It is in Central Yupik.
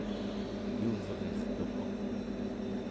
yuvrirtuq